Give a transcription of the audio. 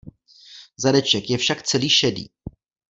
Zadeček je však celý šedý.